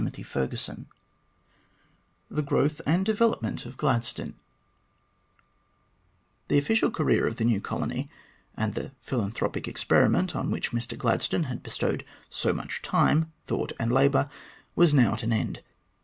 CHAPTER VII THE GROWTH AND DEVELOPMENT OF GLADSTONE THE official career of the new colony and the philanthropic experiment, on which Mr Gladstone had bestowed so much time, thought, and labour, was now at an end.